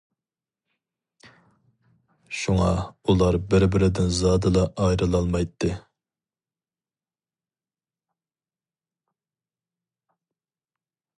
شۇڭا ئۇلار بىر بىرىدىن زادىلا ئايرىلالمايتتى.